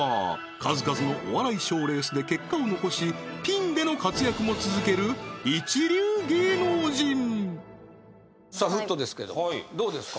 数々のお笑い賞レースで結果を残しピンでの活躍も続ける一流芸能人さあフットですけどもどうですか？